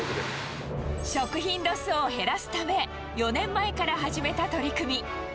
食品ロスを減らすため、４年前から始めた取り組み。